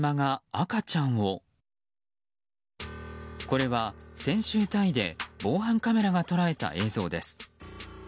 これは先週タイで防犯カメラが捉えた映像です。